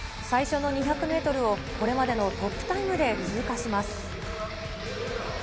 最初の２００メートルをこれまでのトップタイムで通過します。